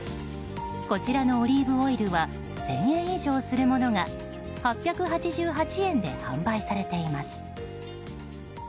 こちらのオリーブオイルは１０００円以上するものが８８８円で販売されています。